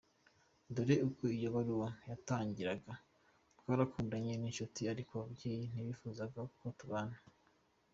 Dore uko iyo baruwa yatangiraga : “Twarakundanye nk’inshuti ariko ababyeyi ntibifuje ko tubana.